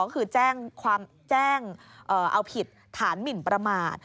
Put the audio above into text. ก็คือแจ้งเอาผิดฐานหมินประมาท